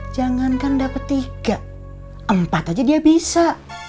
jangankan dapat tiga empat aja dia bisa